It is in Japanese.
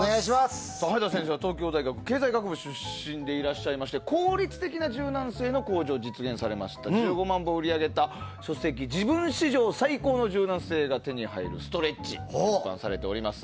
早田先生は東京大学経済学部出身でいらっしゃいまし効率的な柔軟性の向上を実現されました１５万冊以上売り上げた「自分史上最高の柔軟性が手に入るストレッチ」を出版されております。